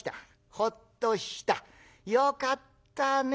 「ほっとした？よかったねえ。